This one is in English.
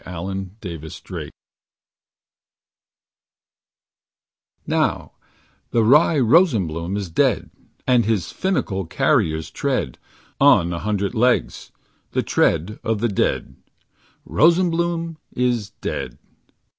urlappend=%3Bsea= 182 Now the wry Rosenbloom is dead And his finical carriers tread. On a hundred legs, the tread Of the dead. Rosenbloom is dead.